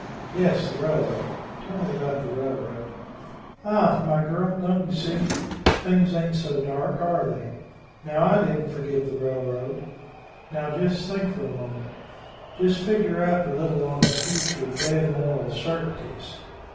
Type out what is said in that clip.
Yes, the railroad tell me about the railroad." "Aha, my girl, don't you see? Things ain't so dark, are they? Now I didn't forget the railroad. Now just think for a moment just figure up a little on the future dead moral certainties.